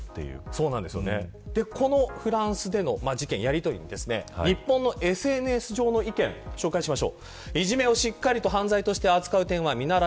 このフランスでの事件やりとりは日本のＳＮＳ上の意見を紹介します。